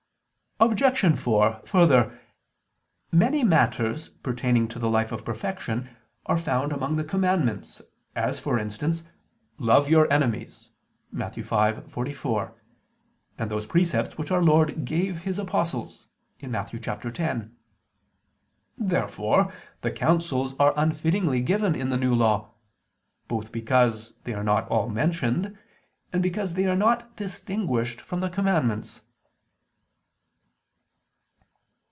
Obj. 4: Further, many matters pertaining to the life of perfection are found among the commandments, as, for instance, "Love your enemies" (Matt. 5:44), and those precepts which Our Lord gave His apostles (Matt. 10). Therefore the counsels are unfittingly given in the New Law: both because they are not all mentioned; and because they are not distinguished from the commandments.